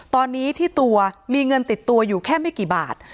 ตอนนี้ที่ตัวมีเงินติดตัวอยู่แค่ไม่กี่บาท